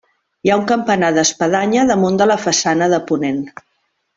Hi ha un campanar d'espadanya damunt de la façana de ponent.